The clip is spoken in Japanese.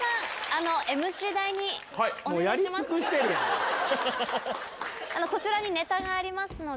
あのこちらにネタがありますので。